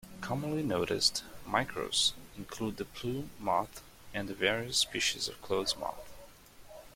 Commonly noticed "micros" include the plume moth and the various species of clothes moth.